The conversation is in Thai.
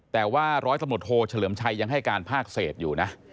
แต่ว่าร้อยตำรวจโทเฉลิมชัยยังให้การภาคเศษอยู่นะ